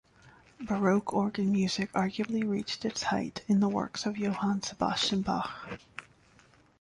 Baroque organ music arguably reached its height in the works of Johann Sebastian Bach.